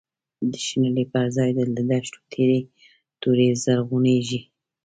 د شنلی پر ځای له دښتو، تیری توری زرغونیږی